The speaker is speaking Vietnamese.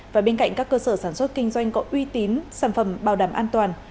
và bên cạnh các cơ sở sản xuất kinh doanh có uy tín sản phẩm bảo đảm an toàn